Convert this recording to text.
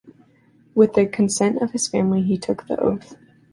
With the consent of his family, he took the oath.